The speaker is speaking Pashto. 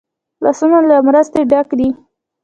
لاسونه له مرستې ډک دي